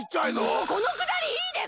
もうこのくだりいいですか！